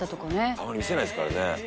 あんまり見せないですからね。